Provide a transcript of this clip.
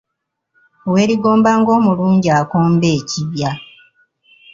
Weerigomba ng'omulungi akomba ekibya.